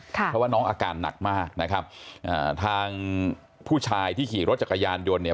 เพราะว่าน้องอาการหนักมากนะครับอ่าทางผู้ชายที่ขี่รถจักรยานยนต์เนี่ย